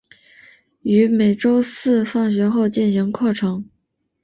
于每周四放学后进行课程。